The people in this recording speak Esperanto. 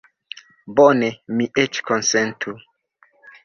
Bone, mi eĉ konsentu.